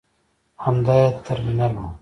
همدا یې ترمینل و.